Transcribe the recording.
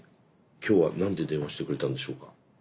今日は何で電話してくれたんでしょうか。